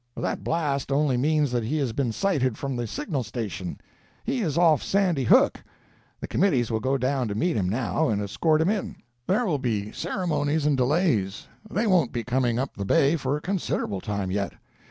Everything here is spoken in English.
"That blast only means that he has been sighted from the signal station. He is off Sandy Hook. The committees will go down to meet him, now, and escort him in. There will be ceremonies and delays; they won't he coming up the Bay for a considerable time, yet.